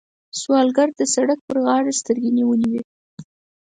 سوالګر د سړک پر غاړه سترګې نیولې وي